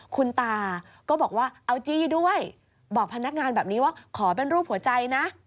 คุณตาก็บอกว่าเอาจี้ด้วยบอกพนักงานแบบนี้ว่าขอเป็นรูปหัวใจนะ